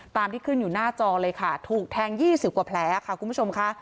ที่ขึ้นอยู่หน้าจอเลยค่ะถูกแทง๒๐กว่าแผลค่ะคุณผู้ชมค่ะ